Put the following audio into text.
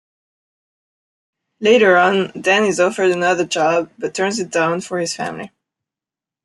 Later on, Dan is offered another job, but turns it down for his family.